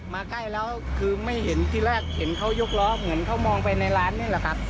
ใกล้แล้วคือไม่เห็นที่แรกเห็นเขายกล้อเหมือนเขามองไปในร้านนี่แหละครับ